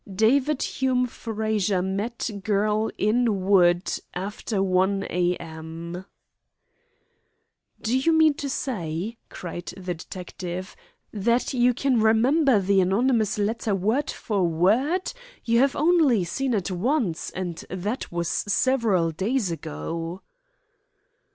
David Hume Frazer met girl in wood after 1 a.m." "Do you mean to say," cried the detective, "that you can remember the anonymous letter word for word? You have only seen it once, and that was several days ago."